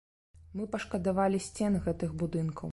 Мы пашкадавалі сцен гэтых будынкаў.